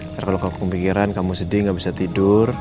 karena kalau kamu kepikiran kamu sedih gak bisa tidur